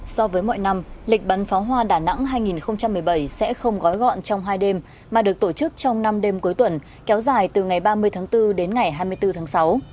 so với mọi năm lịch bắn pháo hoa đà nẵng hai nghìn một mươi bảy sẽ không gói gọn trong hai đêm mà được tổ chức trong năm đêm cuối tuần kéo dài từ ngày ba mươi tháng bốn đến ngày hai mươi bốn tháng sáu